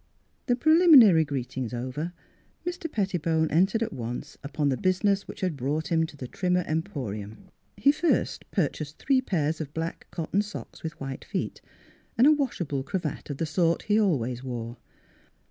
The preliminary greetings over, Mr. Pettibone entered at once upon the busi ness which had brought him to the Trim mer Emporium. He first purchased three pairs of black cotton socks with white feet, and a wash able cravat of the sort he always wore.